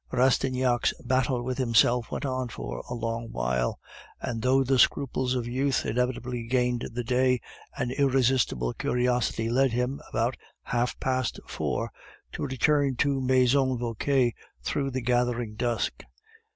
Rastignac's battle with himself went on for a long while; and though the scruples of youth inevitably gained the day, an irresistible curiosity led him, about half past four, to return to the Maison Vauquer through the gathering dusk.